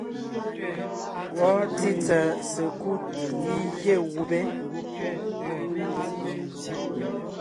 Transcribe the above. Wɔɔn títsà sekúd gígié gubé.